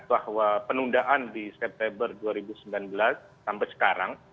bahwa penundaan di september dua ribu sembilan belas sampai sekarang